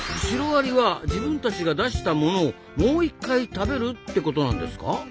シロアリは自分たちが出したものをもう一回食べるってことなんですか？